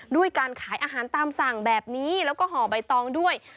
ด้วยการขายอาหารตามสั่งแบบนี้แล้วก็ห่อใบตองด้วย